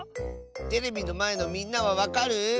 テレビのまえのみんなはわかる？